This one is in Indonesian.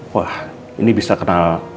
wah ini bisa kenal